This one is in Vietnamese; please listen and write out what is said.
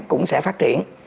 cũng sẽ phát triển